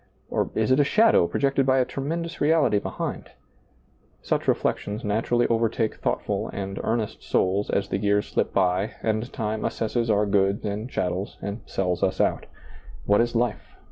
Or is it a shadow projected by a tremendous reality behind ? Such reflections naturally overtake thoughtful and earnest souls as the years slip by and time assesses our goods and chattels and sells us out What is life?